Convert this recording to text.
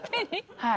はい。